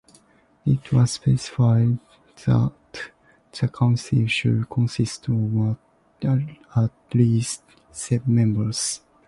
It was specified that the council should consist of at least seven members.